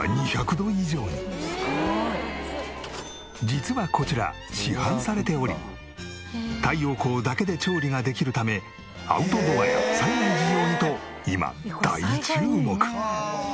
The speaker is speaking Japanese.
実はこちら市販されており太陽光だけで調理ができるためアウトドアや災害時用にと今大注目！